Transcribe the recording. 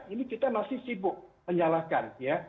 ini kita masih sibuk menyalahkan ya